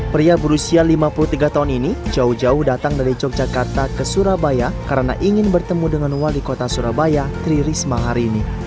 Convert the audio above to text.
pria berusia lima puluh tiga tahun ini jauh jauh datang dari yogyakarta ke surabaya karena ingin bertemu dengan wali kota surabaya tri risma hari ini